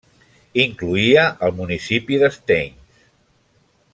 Incloïa el municipi de Stains.